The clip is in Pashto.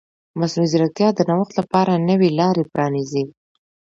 مصنوعي ځیرکتیا د نوښت لپاره نوې لارې پرانیزي.